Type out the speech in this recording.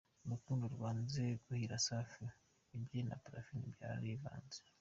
Urukundo rwanze guhira Safi, ibye na Parfine byarivanze.